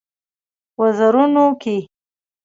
وزرونو کې